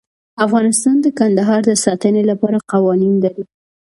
افغانستان د کندهار د ساتنې لپاره قوانین لري.